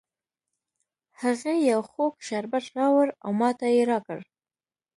هغې یو خوږ شربت راوړ او ماته یې را کړ